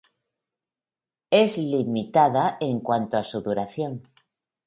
Es "limitada en cuanto a su duración.